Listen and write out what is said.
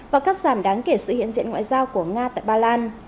và cắt giảm đáng kể sự hiện diện ngoại giao của nga tại ba lan